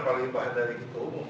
paling paham dari kita umum